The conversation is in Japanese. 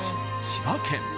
千葉県